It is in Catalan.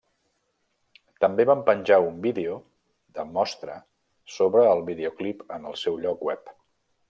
També van penjar un vídeo de mostra sobre el videoclip en el seu lloc web.